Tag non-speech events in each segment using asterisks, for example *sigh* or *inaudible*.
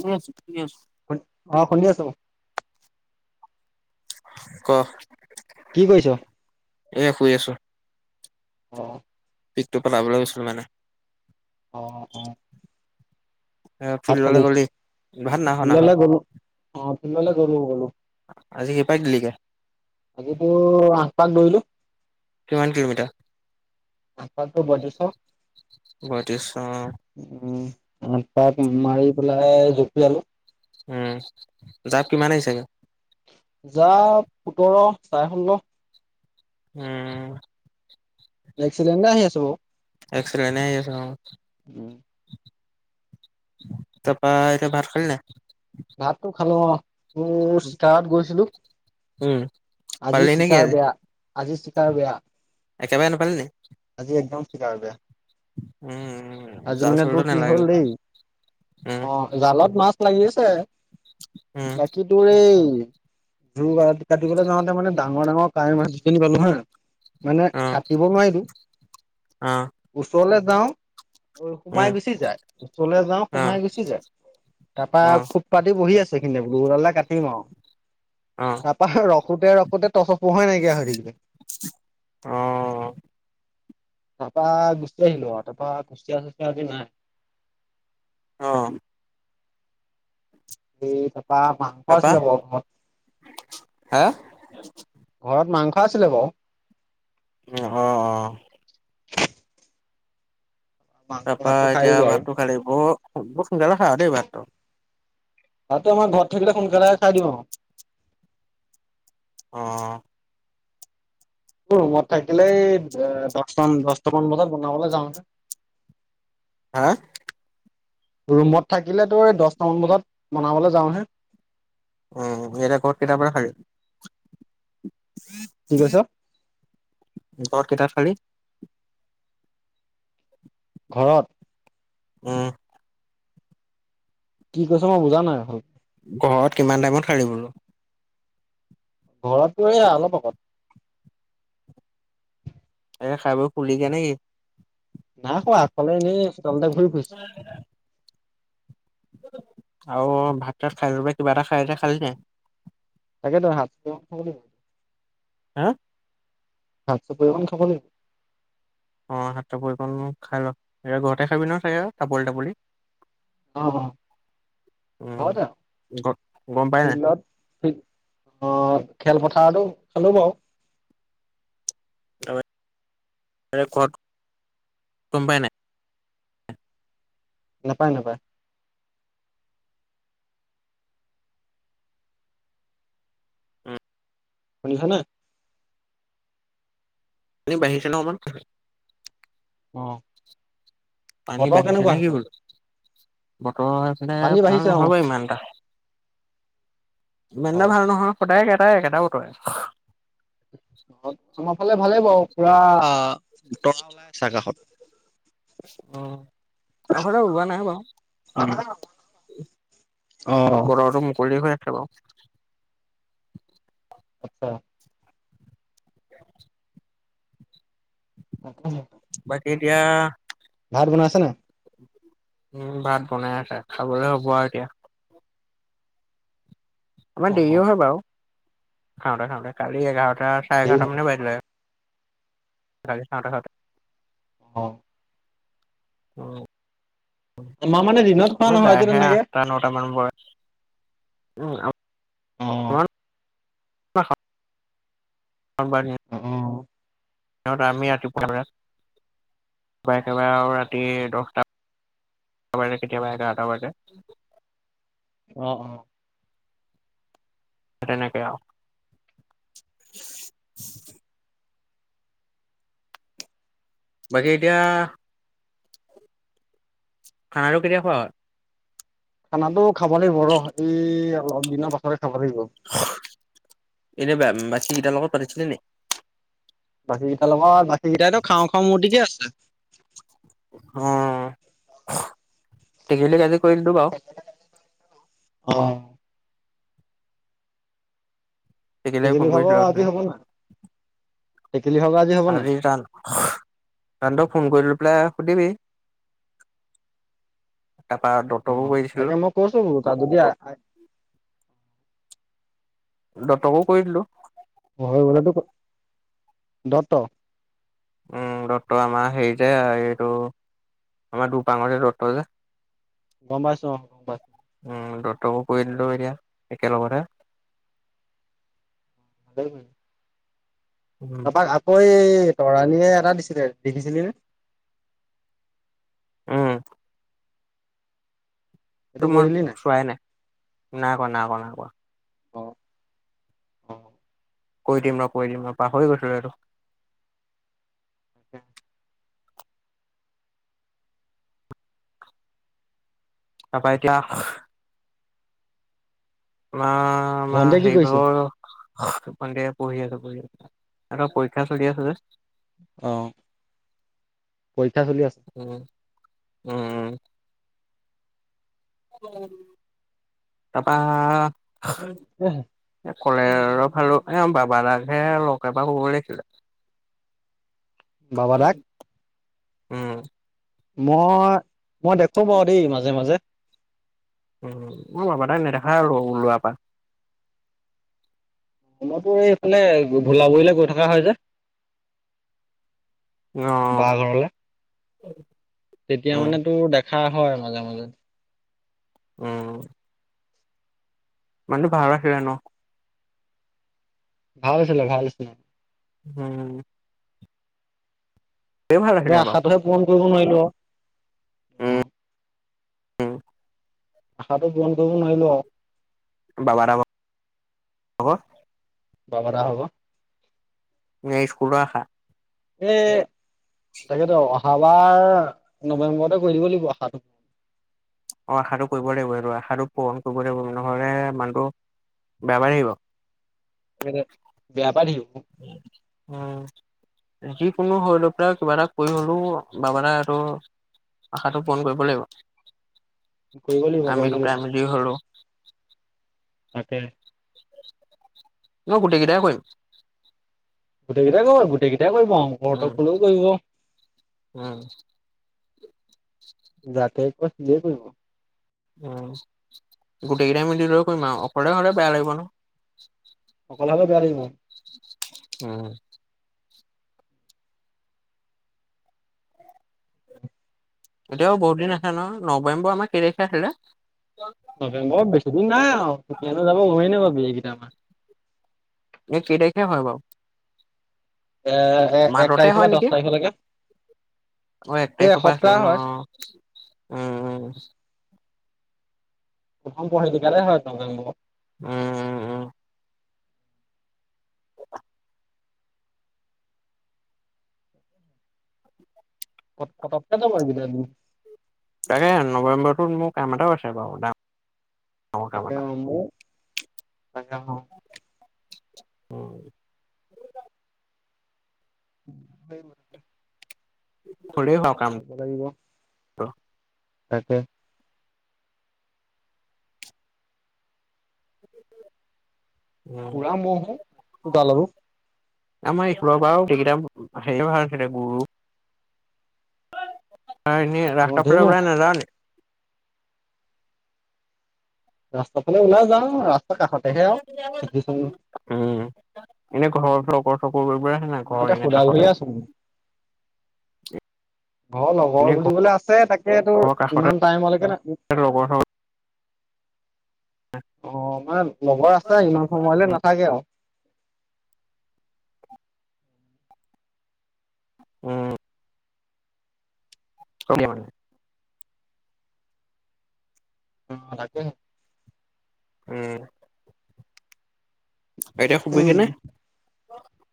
শুনি আছো, শুনি আছো। খু অ', শুনি আছো। ক', কি কৰিছ? এ শুই আছো। অ', অ'। পিকটো পেলাবলৈ লৈছিলো মানে। অ', অ'। এ ভাত ফিল্ডলৈ খালি? গলি। ভাত নাই খোৱা নাই খোৱা। ফিল্ডলৈ গ'লো। অ ফিল্ডলৈ গ'লো গ'লো আজি কেই পাই দিলিগে? আজি তোৰ আঠপাক দৌৰিলো। কিমান কিলোমিটাৰ? আঠপাকটো বয়ত্ৰিশ অ পয়ত্ৰিছশ। উ পাক মাৰি পেলাই জপিয়ালো। উম, জাপ কিমান আহিছেগে? জাপ সোঁতৰ, চাৰে ষোল্ল। উম উ। নেক্সট চিলিণ্ডাৰ আহি আছে বাৰু। এক্সেলেণ্টে আহি আছে বাৰু। উম। তাপা, এতিয়া ভাত খালি নাই? ভাতটো খালো অ', তোৰ চিকাৰত গৈছিলোঁ। উম আজি পালি নেকি চিকাৰ বেয়া, আজি চিকাৰ বেয়া। একেবাৰে নাপালি নি আজি একদম চিকাৰ বেয়া। উম। আজি জাল মানে চালটো তোৰ কি নালাগিলে হ'ল দেই, উম অ', জালত মাছ লাগিছে, উম বাকী তোৰ এই জোৰ কাটিবলৈ যাওঁতে মানে ডাঙৰ ডাঙৰ কাৱৈ মাছ যখিনি পালো হা মানে অ কাটিব নোৱাৰিলো, অ ওচৰলে যাওঁ উম সোমাই গুচি যায়, ওচৰলৈ যাও অ সোমাই গুচি যায়, তাপা অ খোপপাতি বহি আছ এইখিনিতে বোলো, ওলালে কাটিম আও। অ তাপা ৰখোতে ৰখোতে টচৰ পোহৰেই নাইকিয়া হৈ থাকিলে। অ'। তাপা গুচি আহিলো আৰু তাপা কুচিয়া-চুচিয়া আজি নাই। অ'। *unintelligible* পা মাংস তাৰপা আছিলে *unintelligible* হা ঘৰত মাংস খছিলে বাৰু উম, অ', অ'। মাংস তাৰপা ভাতটো খাই এতিয়া দিলো আৰু ভাতটো খালি, বৰ বৰ সোনকালে খাৱ দেই ভাতটো। ভাতটো আমাৰ ঘৰত থাকিলে সোনকালে খাই দিওঁ আও। অ'। মোৰ ৰুমত থাকিলে এই দচটা দচটামান বজাত বনাবলৈ যাওঁহে। হা। ৰুমত থাকিলে তোৰ এই দহটামান বজাত বনাবলৈ যাওঁহে। উ, এতিয়া কৰ্ট কেটা পৰা থাকে? কি কৈছ ঘৰত কেইটাত খালি? ঘৰত। উম, কি কৈছ মই বুজা নাই, ভাল ঘৱত কিমান টাইমত খালি বোলো। ঘৰত মই অলপ আগত। এ, খাই বৈ শুলিগে নে কি? নাইশোৱা, আগফালে এনেই চোতালতে ঘূৰি ফুৰিছো। আও ভাত চাত খাই *unintelligible* কিবা এটা খাই, এতিয়া খালিনে নাই? তাকে ত হাত *unintelligible* আ। ভাল ফটো এখন থব দেই। অ', হাতচাপৰি কণ খাই ল, এতিয়া ঘৰতে খাবি ন চাগে আৰু তাপলি তাপলি। অ', উম ঘৰতে। ঘৰত গম পাই নাই ফিল্ডত ফি, অ', খেলপথাৰতো খালো বাৰু। *unintelligible* এতিয়া ঘৰত, গম পাই নাই? নাপায়, নাপায়। শুনিছনে। পানী বাঢ়িছে ন অকমান। অ'। পানী বতৰ বাঢ়িছে কেনেকুৱা নে কি সেইফালে বুলো? তঁহ সেইপিনে পানী ভাল বাঢ়িছে অ নহব ইমান এটা। ইমান এটা হয় ভাল নহয়, সদায় একেটা একেটা বতৰে। আমাৰ ফালে ভালেই বাৰু, পুৰা, তৰা ওলাই আছে আকাশত। অ', আমাৰ ফালে ওলোৱা নাই বাৰু। অ বতৰটো মুকলি হৈ আছে বাও। *unintelligible* *inaudible* অকলে। বাকী এতিয়া ভাত বনাইছে নাই? উম, ভাত বনাই আছে খাবলৈ হ'ব আৰু এতিয়া। আমাৰ অ দেৰিও হয় বাৰু। খাওঁতে, খাওঁতে, কালি এঘাৰটা চাৰে দেৰি হ'ল এঘাৰটা মানে বাজিলে। কালি খাওতে, খাওতে। অ'। অ'। মই মানে দিনত খোৱা আমাৰ নহয়তো যায়হে তেনেকে। আঠটা নটা মান বয়াত। উ, আ অ'। *unintelligible* অ' সিহঁত আমি ৰাতিপুৱাব ক, একেবাৰে আৰু ৰাতি দহটা এ বাৰ কেতিয়াবা এঘাৰটা বাজে। অ' অ'। তেনেকে আও। বাকী এতিয়া খানাটো কেতিয়া খোৱা হয়? খানাটো খাব লাগিব ৰহ, এই অলপ দিনৰ পাছতে খাব লাগিব। এনে বা-বাকি কিটা লগত পাতিছিলি নি? বাকি কেইটাৰ লগত বাকি কেইটাইটো খাওঁ খাওঁ মূৰ্তিকে আছে। অ' *unintelligible* অ'। টেকেলিক সেইখিনি ফোন ভাব কৰিছিলো আজি অথনি হ'ব ন? আজি ৰা, তান ফোন কৰি পেলাই শুধিবি। অ' তাকে মই কৈছো তাত যদি দত্তকো কৰি দিলো। হয় বোলাটো, দত্ত। উম দত্ত আমাৰ হেৰি যে এইটো আমাৰ *unintelligible* যে। গম পাইছো, অ' গম পাইছো। উম দতকো ক দিলো এতিয়া, একেলগতে। *inaudible* উম তপাক আকৌ এ এই তৰাণীয়ে এটা দিছিলে দেখিছিলি নে? উম। সটো সেইটো মই কৰিলি চোৱাই নাই, নাই কোৱা না কোৱা নাই কোৱা। অ' অ'। কৈ দিম ৰ কৈ দিম ৰ পাহৰি গৈছিলো আৰু। *unintelligible* তাৰপা এতিয়া আমাৰ ভণ্টিয়ে কি কৰিছে? আমাৰ *unintelligible* সন্ধ্যা পঢ়ি আছো। এহতঁৰ পৰীক্ষা চলি আছে যে। অ' পৰীক্ষা চলি আছে। উম উম। তাৰপৰা কলে আৰু লো এ বাবা দাকহে লগ এবাৰ পাব লাগিছিলে। বাবা দাক? উম। মই, মই দেখো বাৰু দেই মাজে মাজে। উ মই বাবা তাই নেদেখা আৰু ওলোৱা পৰা। ম এইফালে ভোলাবৰিলে গৈ থকা হয় যে। বা অ', ঘৰলে, তেতিয়া উম, মানে তোৰ দে হা হয় মাজে মাজে। উম। মানুহটো ভাল আছিলে ন। ভাল আছিলে, ভাল আছিলে। হম আছিলে তাকে বাৰু। আশাটোহে পূৰণ কৰিব নোৱাৰিলো আৰু। উম উম আশাটো পুৰন কৰিব নোৱাৰিলো আৰু। হব। বেয়া কথা হ'ব। এইয়া স্কুলৰ আশা। এ তাকেতো অহাবাৰ, নৱেম্বৰতে কৰি দিব লাগিব অহাটো। অ' আশাটো কৰিব লাগিব আৰু আশাটো পোৰণ কৰিব লাগিব নহলে মানুহটো বেমাৰ আহিব। এ, বেয়াপাৰীও। আহ উম। যিকোনো শৰীৰৰ পৰা কিবা এটা কৰি হলেও বাবাৰ আৰু আশাটো পূৰণ কৰিব লাগিব, কৰিব লাগিব আমি কৰিব দুটা লাগিব আমেলি হলো তাকে। নই গোতেই কেইটা কৰিম। গোটেইকেইটাই কৰিব গোটেইকেইটাই কৰিব অংকল উম, হ'তক কলেওঁ কৰিব। উম, যাতে এক কছ দেই কৰিব। উম গোটেই কেইটাই মিলি লৈ কৰিম আৰু অকলে হ'লে বেয়া লাগিব নহয়। অকল হ'লে বেয়া লাগিব। উম এতিয়াও বহুত দিন আছে নহয়। নৱেম্বৰ আমাৰ কেই তাৰিখে আছিলে? বৰ বেছিদিন নাই আৰু, কেতিয়ানো যাব ঘুৰি নাপাবি এইকেইটা মা'হ কেই তাৰিখে হয় বাৰু? এ এ এক মাজতে তাৰিখৰ হয় পৰা নেকি? দহ তাৰিখলৈকে। অ' এক এই তাৰিখৰ পৰা আছিলে এসপ্তাহ ন? হয়। উম উম প্ৰথম পঢ়িছো কাৰনে হয় নবেম্বৰত। উম উম উম প পতকে যাব এই কেইতা দিন। তাকে নৱেম্বৰটোত মোৰ কাম এটাও আছে বাৰু ডাঙৰ কাম তাকে এটা আৰম্ভ কৰো। ত *unintelligible* উম সব *unintelligible* আহিব লাগিব। অ' তাকে। উম পুৰা ম'হ দুতাল আৰু। আমাৰ এইফৰ পৰা গোতেইকেইটা সে ভালছিলে গুৰু। অ' এনেই অ ৰাস্তা ধেৰ ফালে ম'হ ওলাই নযাৱ নেকি? ৰাস্তা ফালে ওলাই যাওঁ, ৰা কাষতেহে আৰু। কৰিবে নাই মই ঘৰ এতিয়া এনে সুদা ভৰিয়ে কাষতে। আছো অ' লগৰ এনে বুলিবলে আছে। তাকে তোৰ ঘৰৰ কাষতে ইমান টাইমলৈকে নথাকো। লগৰ চগৰ অ' মানে লগৰ আছে ইমান সময়লৈ নাথাকে আৰু। উম অ *unintelligible* অ' তাকেহে। উম আইতা শুবিগেনে? তাকে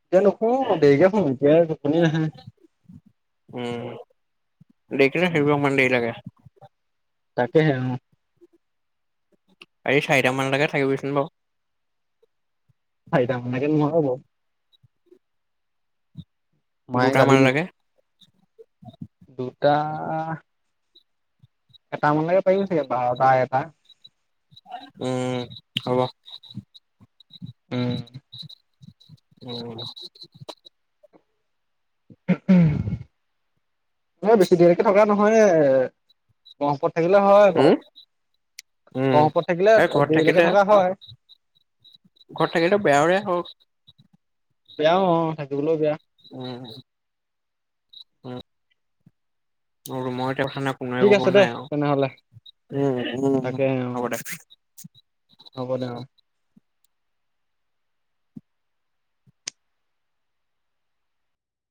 এতিয়া নোশো দেৰিকে শুম এতিয়া টোপনি নাহে। দেখিল সেই ইমান দেৰি লাগে। তাকেহে অ' আজি চাৰিটামান লকে থাকিবইচোন বাৰ। চৰিটা মন লৈকে নোৱিৰো বাৰু। মায়ে গালি দুটামান দিব লাগে। দুটা এটামানলৈকে পাৰিব চাগে। বাৰটা এটা উম, হব। উম উম, *unintelligible* মই বেছি দেৰিকে থকা নহয় ঘৰৰ ওছৰত থাকিলে হয় বাৰু। উম উম, গহপুৰত থাকিলে এই ঘৰত দেৰিলৈকে থাকিলে থকা হয়। ঘৰত থাকিলে বেয়াৰে হওঁক বেয়াও অ' থাকিবলৈওঁ বেয়া। উম, *unintelligible* উম ন ম *inaudible* *unintelligible* থা নাই কোন আহিব ঠিক পৱা আছে দে নাই তেনেহলে আৰু তাকে অ হ'ব দে। হ'ব দে অ'।